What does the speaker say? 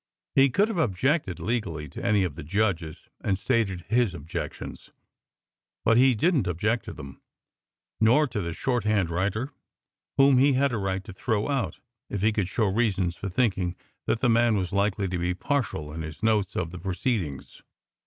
He could have objected legally to any of the judges and stated his objections. But he didn t object to them, nor to the short hand writer, whom he had a right to throw out if he could show reasons for thinking that the man was likely to be partial in his notes of the proceedings.